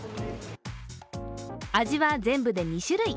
味は全部で２種類。